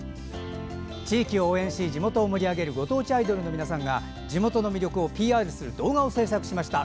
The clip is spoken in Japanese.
地域を応援し地元を盛り上げるご当地アイドルの皆さんが地元の魅力をＰＲする動画を制作しました。